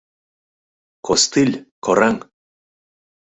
— Костыль, кораҥ!